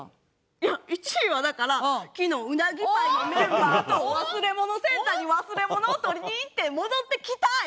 いや１位はだから「昨日うなぎパイのメンバーと忘れ物センターに忘れ物を取りに行って戻ってきた」や！